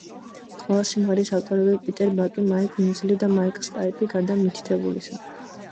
ყველა სიმღერის ავტორები: პიტერ ბაკი, მაიკ მილზი და მაიკლ სტაიპი, გარდა მითითებულისა.